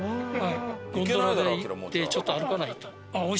ゴンドラで行ってちょっと歩かないと。